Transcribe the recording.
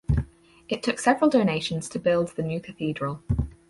It took several donations to build the new cathedral.